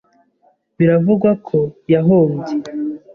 Biravugwa ko yahombye.